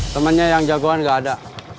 temennya yang jagoan gak ada